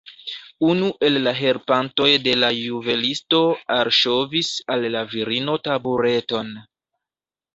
Unu el la helpantoj de la juvelisto alŝovis al la virino tabureton.